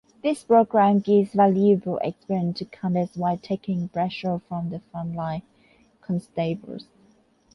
This program gives valuable experience to cadets while taking pressure from the front-line constables.